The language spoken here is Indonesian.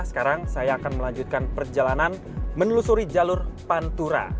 sekarang saya akan melanjutkan perjalanan menelusuri jalur pantura